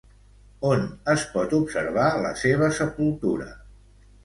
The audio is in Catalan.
On es pot observar la seva sepultura?